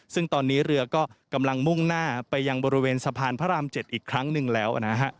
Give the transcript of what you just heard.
ซึ่งตอนนี้เรือก็กำลังมุ่งหน้าไปยังบริเวณสะพานพระราม๗อีกครั้งหนึ่งแล้วนะฮะ